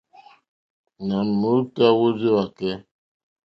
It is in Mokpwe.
Nà m-ùtá wórzíwàkɛ́.